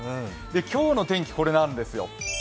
今日の天気、これなんですよ。